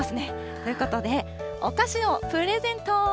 ということで、お菓子をプレゼント。